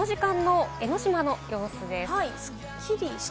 この時間の江の島の様子です。